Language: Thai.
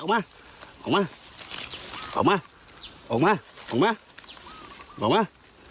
ออกมาออกมาออกมาออกมาออกมา